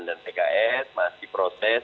dan pks masih proses